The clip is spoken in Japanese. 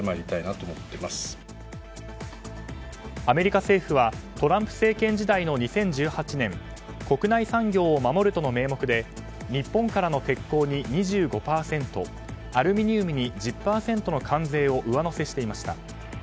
アメリカ政府はトランプ政権時代の２０１８年国内産業を守るとの名目で日本からの鉄鋼に２５％アルミニウムに１０％の関税を上乗せしていました。